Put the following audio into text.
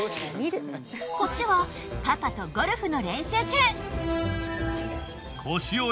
こっちはパパとゴルフの練習中。